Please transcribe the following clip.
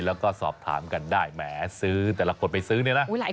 แล้วก็สอบถามกันได้แหมซื้อแต่ละคนไปซื้อเนี่ยนะ